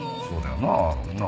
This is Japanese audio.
そうだよなあ。